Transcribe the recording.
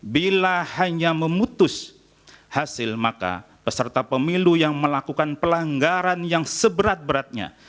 bila hanya memutus hasil maka peserta pemilu yang melakukan pelanggaran yang seberat beratnya